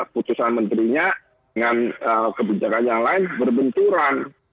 putusan menterinya dengan kebijakan yang lain berbenturan